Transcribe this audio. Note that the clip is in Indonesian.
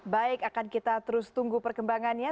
baik akan kita terus tunggu perkembangannya